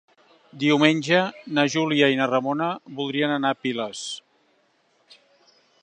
Diumenge na Júlia i na Ramona voldrien anar a Piles.